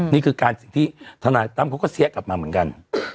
นี่คือการสิ่งที่ทนายตั้มเขาก็เสี้ยกลับมาเหมือนกัน